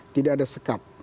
tidak ada sekat